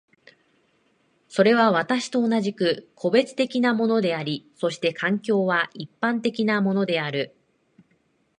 それは私と同じく個別的なものであり、そして環境は一般的なものである。